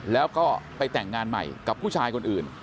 แล้วก็ไปแต่งงานใหม่กับผู้ชายคนอื่น